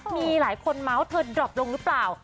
มีหลายคนเมาส์เธอดรอปลงหรือเปล่า